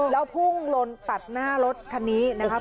แล้วพุ่งลนตัดหน้ารถคันนี้นะครับ